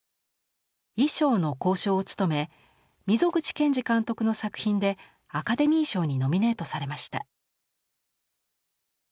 衣装の考証を務め溝口健二監督の作品でアカデミー賞にノミネートされました。